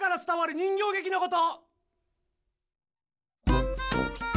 人形げきのこと。